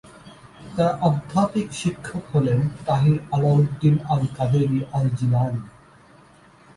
তার আধ্যাত্মিক শিক্ষক হলেন তাহির আলাউদ্দিন আল-কাদেরী আল-জিলানী।